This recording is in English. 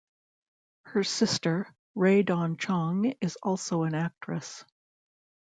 Her sister Rae Dawn Chong is also an actress.